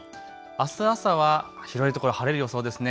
あす朝は広いところ晴れる予想ですね。